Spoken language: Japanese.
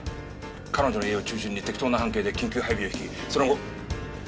彼女の家を中心に適当な半径で緊急配備を引きその後。